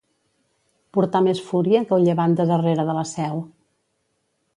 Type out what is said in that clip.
Portar més fúria que el llevant de darrere de la Seu.